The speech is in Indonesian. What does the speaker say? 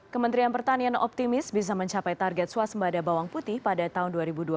kementerian pertanian optimis bisa mencapai target swasembada bawang putih pada tahun dua ribu dua puluh